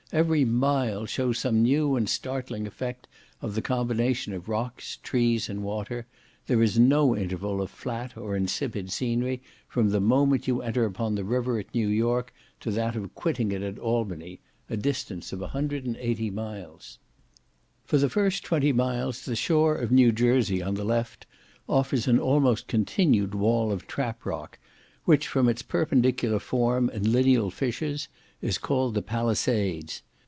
Every mile shows some new and startling effect of the combination of rocks, trees, and water; there is no interval of flat or insipid scenery, from the moment you enter upon the river at New York, to that of quitting it at Albany, a distance of 180 miles. For the first twenty miles the shore of New Jersey, on the left, offers almost a continued wall of trap rock, which from its perpendicular form, and lineal fissures, is called the Palisados.